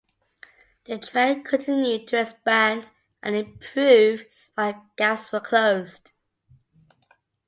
The trail continued to expand and improve while gaps were closed.